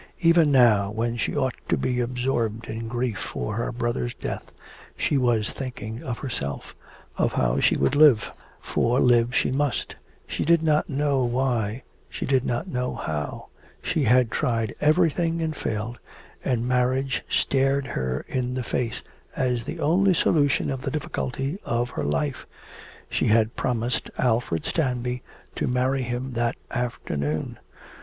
Even now, when she ought to be absorbed in grief for her brother's death she was thinking of herself, of how she should live, for live she must; she did not know why, she did not know how. She had tried everything and failed, and marriage stared her in the face as the only solution of the difficulty of her life. She had promised Alfred Stanby to marry him that afternoon.